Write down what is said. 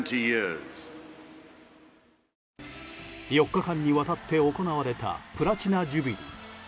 ４日間にわたって行われたプラチナ・ジュビリー。